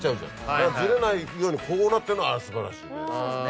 あれはずれないようにこうなってるあれ素晴らしい。